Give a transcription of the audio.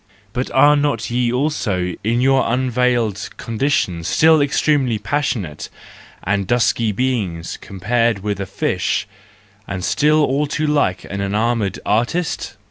But are not ye also in your unveiled condition still extremely passionate and dusky beings compared with the fish, and still all too like an enamoured artist